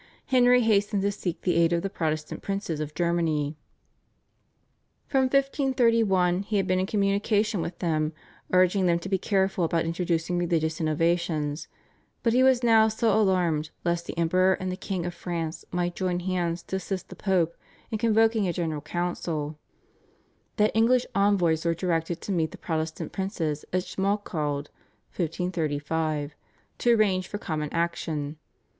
Henry hastened to seek the aid of the Protestant princes of Germany. From 1531 he had been in communication with them urging them to be careful about introducing religious innovations, but he was now so alarmed lest the Emperor and the King of France might join hands to assist the Pope in convoking a General Council, that English envoys were directed to meet the Protestant princes at Schmalkald (1535), to arrange for common action.